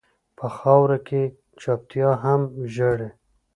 په خاوره کې چپتيا هم ژاړي.